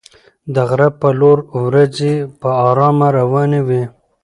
د غره په لور ورېځې په ارامه روانې وې.